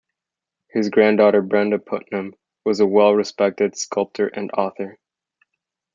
His granddaughter Brenda Putnam was a well-respected sculptor and author.